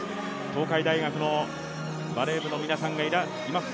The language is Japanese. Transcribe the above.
東海大学のバレー部の皆さんがいます。